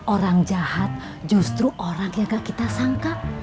orang jahat justru orang yang gak kita sangka